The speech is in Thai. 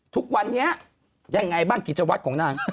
ทุกวันนี้ยังไงบ้างกิจวัตรของนาง